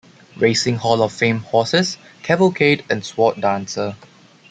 Racing Hall of Fame horses Cavalcade and Sword Dancer.